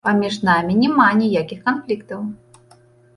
Паміж намі няма ніякіх канфліктаў!